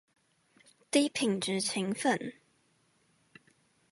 低品質勤奮